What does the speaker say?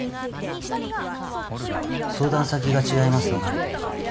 相談先が違いますので。